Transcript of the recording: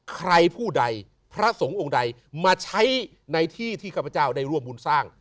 ใครผู้ใดพระสงฆ์องค์ใดมาใช้ในที่ที่ข้าพเจ้าได้ร่วมบุญสร้าง